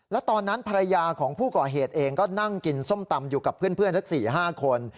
แล้วตอนนั้นภรรยาของผู้ก่อเหตุเองก็นั่งกินส้มตำอยู่กับเพื่อนทั้ง๔๕คน